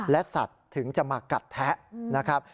และสัตว์ถึงจะมากัดแทะนะครับ